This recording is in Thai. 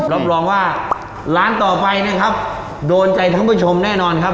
รับรองว่าร้านต่อไปนะครับโดนใจท่านผู้ชมแน่นอนครับ